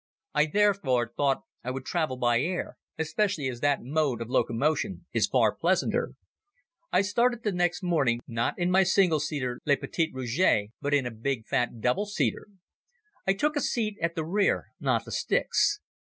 I therefore thought I would travel by air, especially as that mode of locomotion is far pleasanter. I started the next morning, not in my single seater "le petit rouge" but in a big fat double seater. I took a seat at the rear, not at the sticks.